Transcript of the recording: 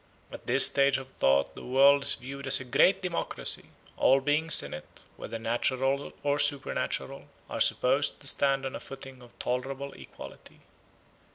At this stage of thought the world is viewed as a great democracy; all beings in it, whether natural or supernatural, are supposed to stand on a footing of tolerable equality.